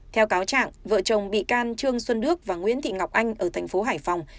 theo cáo trạng vợ chồng bị can trương xuân đước và nguyễn thị ngọc anh ở tp hải phòng